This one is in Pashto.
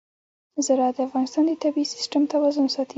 زراعت د افغانستان د طبعي سیسټم توازن ساتي.